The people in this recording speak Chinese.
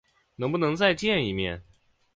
能不能再见一面？